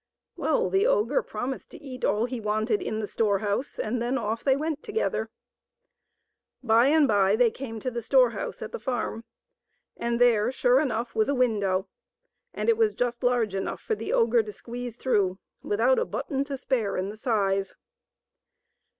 Well, the ogre promised to eat all he wanted in the storehouse, and then off they went together. By and by they came to the storehouse at the farm, and there, sure enough, was a window, and it was just large enough for the ogre to squeeze through without a button to spare in the size.